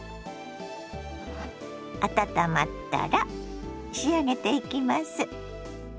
温まったら仕上げていきます。